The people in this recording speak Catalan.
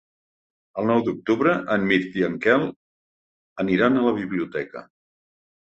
El nou d'octubre en Mirt i en Quel aniran a la biblioteca.